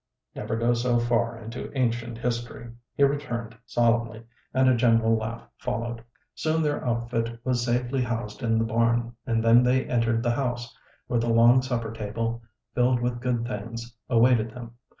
"Never go so far into ancient history," he returned solemnly, and a general laugh followed. Soon their outfit was safely housed in the barn, and then they entered the house, where the long supper table, filled with good things, awaited them.